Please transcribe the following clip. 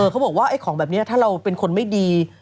เขาบอกว่าไอ้ของแบบนี้ถ้าเราเป็นคนไม่ดี